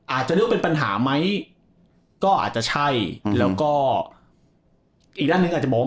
อาจจะนึกว่าเป็นปัญหาไหมก็อาจจะใช่แล้วก็อีกด้านหนึ่งอาจจะมอง